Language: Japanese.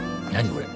これ。